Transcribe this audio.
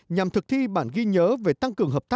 nhằm thực thi bản ghi nhớ về tăng cường hợp tác